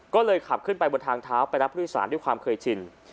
ก็เลยขับขึ้นไปบนทางเท้าไปรับผู้โดยสารด้วยความเคยชิน